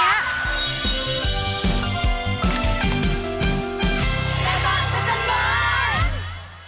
แก่ตอนที่สมบัติ